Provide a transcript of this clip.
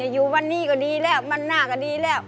อยู่วันนี้ก็ดีแล้ววันหน้าก็ดีแล้ว